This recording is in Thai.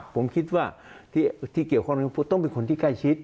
ผมคิดว่าที่เกี่ยวข้องต้องเป็นคนที่ใกล้ชิด